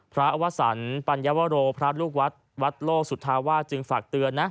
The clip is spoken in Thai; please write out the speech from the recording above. พระวสันปัญวโรพระลูกวัดวัดโลสุธาวาสจึงฝากเตือนนะ